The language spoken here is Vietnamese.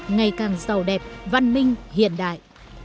ngày càng giàu đẹp văn minh hiện đại